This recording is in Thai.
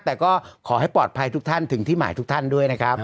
แต่ก็ขอให้ปลอดภัยทุกท่านถึงที่หมายทุกท่านด้วยนะครับ